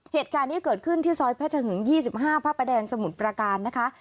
เหตุการณ์นี้เกิดขึ้นที่ซอยเพชรหึง๒๕พระประแดงสมุทรประการนะคะ